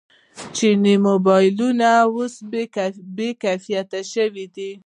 چیني موبایلونه اوس باکیفیته شوي دي.